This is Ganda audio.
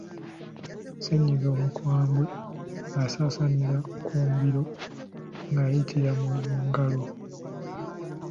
Ssennyiga omukambwe asaasaanira ku mbiro ng’ayitira mu ngalo.